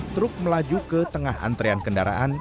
truk melaju ke tengah antrean kendaraan